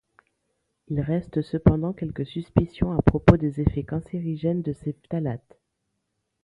Il reste cependant quelques suspicions à propos des effets cancérigènes de ces phtalates.